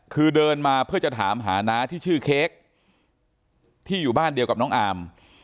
คือเดินมาเพื่อจะถามหาน้าที่ชื่อเค้กที่อยู่บ้านเดียวกับน้องอาร์ม